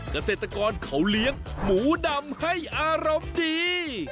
เกษตรกรเขาเลี้ยงหมูดำให้อารมณ์ดี